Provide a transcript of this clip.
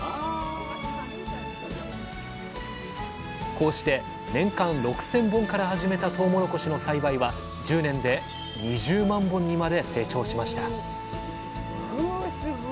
こうして年間６，０００本から始めたとうもろこしの栽培は１０年で２０万本にまで成長しましたすごい。